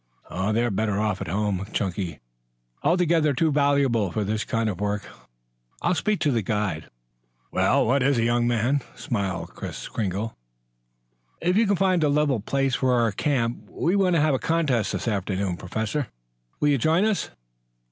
"They're better off at home, Chunky. Altogether too valuable horses for this kind of work. I'll speak to the guide." "Well, what is it, young man?" smiled Kris Kringle. "If you can find a level place for our camp we want to have a contest this afternoon. Professor, will you join us?"